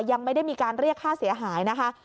ยังไม่ได้มีการเรียกค่าเสียหายนะคะ